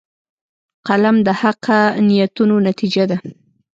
قلم د حقه نیتونو نتیجه ده